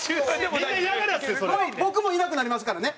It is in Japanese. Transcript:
もう僕もいなくなりますからね。